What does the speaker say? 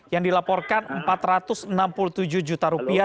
yang dilaporkan empat ratus enam puluh tujuh juta rupiah